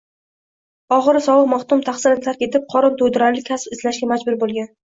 Oxiri Solih maxdum tahsilni tark etib, qorin to’ydirarlik kasb izlashga majbur bo’lgan.